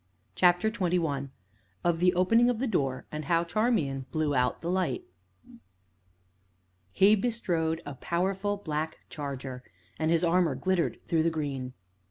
CHAPTER XXI OF THE OPENING OF THE DOOR, AND HOW CHARMIAN BLEW OUT THE LIGHT He bestrode a powerful black charger, and his armor glittered through the green.